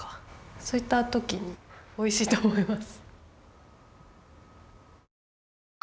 そういったときにおいしいと思います。